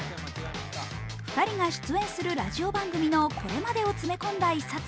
２人が出演するラジオ番組のこれまでを詰め込んだ一冊。